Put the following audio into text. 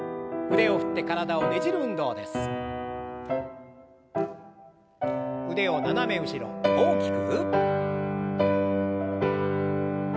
腕を斜め後ろ大きく。